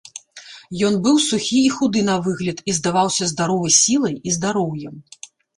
Ён быў сухі і худы на выгляд і здаваўся здаровы сілай і здароўем.